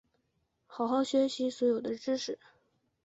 好好学习所有的知识